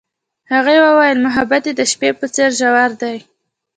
هغې وویل محبت یې د شپه په څېر ژور دی.